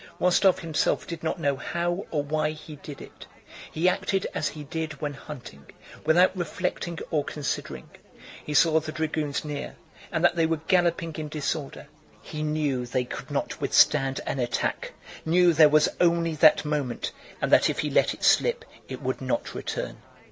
Rostóv himself did not know how or why he did it. He acted as he did when hunting, without reflecting or considering. He saw the dragoons near and that they were galloping in disorder; he knew they could not withstand an attack—knew there was only that moment and that if he let it slip it would not return.